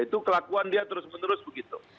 itu kelakuan dia terus menerus begitu